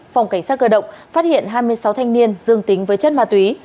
phòng cảnh sát cơ động phát hiện hai mươi sáu thanh niên dương tính với chất ma túy